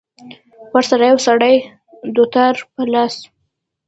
ورسره يو سړى دوتار په لاس.